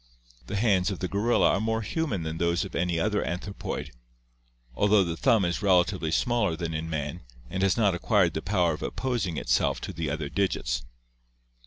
The hands of the gorilla are more human than those of any other anthropoid, although the thumb is relatively smaller than in man and has not acquired the power of opposing itself to the other digits.